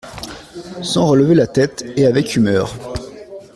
Sans relever la tête et avec humeur.